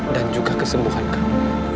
dan juga kesembuhan kamu